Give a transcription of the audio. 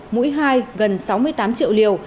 mũi hai gần sáu mươi tám triệu liều